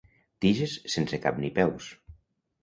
Tiges sense cap ni peus.